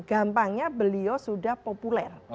gampangnya beliau sudah populer